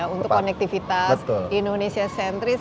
untuk konektivitas indonesia centris